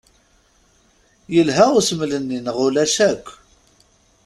Yelha usmel-nni neɣ ulac akk?